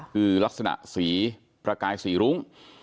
คือลักษณะสีประกายสีรุ้ง